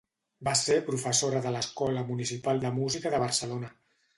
Va ser professora de l'Escola Municipal de Música de Barcelona.